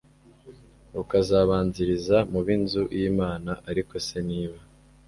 rukazabanziriza mu b inzu y Imana Ariko se niba